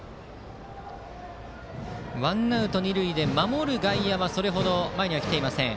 ワンアウト二塁で守る外野はそれほど前には来ていません。